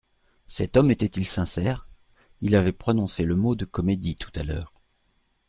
Cet homme était-il sincère ? Il avait prononcé le mot de «comédie», tout à l’heure.